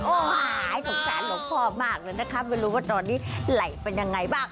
โอ้โหสงสารหลวงพ่อมากเลยนะคะไม่รู้ว่าตอนนี้ไหล่เป็นยังไงบ้าง